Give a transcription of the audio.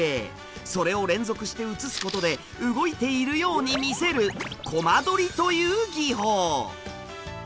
それを連続して映すことで動いているように見せる「コマ撮り」という技法。